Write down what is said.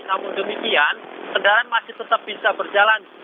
namun demikian kendaraan masih tetap bisa berjalan